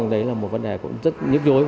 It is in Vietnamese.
đây là một vấn đề cũng rất nhức dối